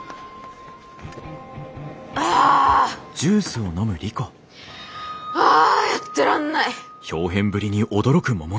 あ！はあやってらんない！